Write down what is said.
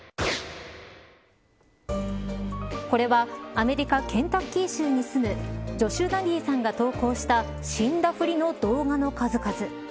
これは、アメリカケンタッキー州に住むジョシュ・ナリーさんが投稿した死んだふりの動画の数々。